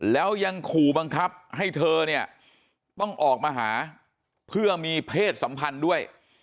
แล้วยังขู่บังคับให้เธอเนี่ยต้องออกมาหาเพื่อมีเพศสัมพันธ์ด้วย